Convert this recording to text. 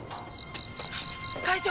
会長。